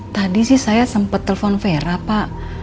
tadi sih saya sempet telepon vera pak